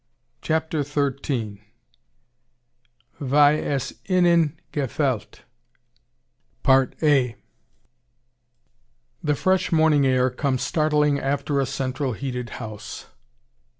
CHAPTER XIII. WIE ES IHNEN GEFAELLT The fresh morning air comes startling after a central heated house.